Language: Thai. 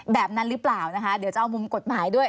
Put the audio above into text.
แบบนั้นหรือเปล่านะคะเดี๋ยวจะเอามุมกฎหมายด้วย